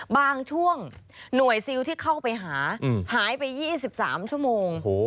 บางช่วงหน่วยซิลที่เข้าไปหาหายไป๒๓ชั่วโมง